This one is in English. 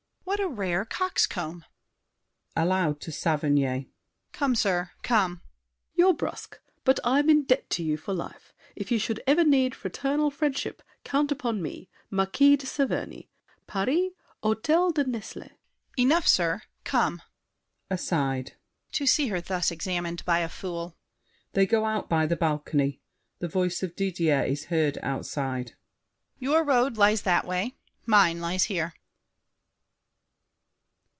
What a rare coxcomb! [Aloud to Saverny.] Come, sir, come! SAVERNY. You're brusk, but I'm in debt to you for life. If ever you should need fraternal friendship, Count upon me, Marquis de Saverny, Paris, Hôtel de Nesle. DIDIER. Enough, sir! Come! [Aside.] To see her thus examined by a fool! [They go out by the balcony. The voice of Didier is heard outside. Your road lies that way. Mine lies here!